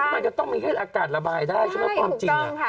มันจะต้องมีให้อากาศระบายได้ใช่ไหมความจริง